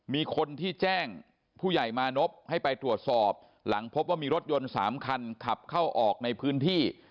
มีคนที่แจ้งผู้ใหญ่มานพให้ไปตรวจสอบหลังพบว่ามีรถยนต์๓คันขับเข้าออกในพื้นที่